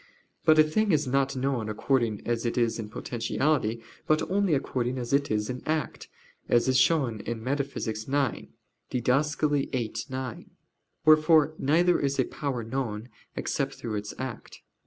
But a thing is not known according as it is in potentiality, but only according as it is in act, as is shown Metaph. ix (Did. viii, 9): wherefore neither is a power known except through its act.